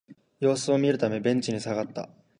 様子を見るためベンチに下がった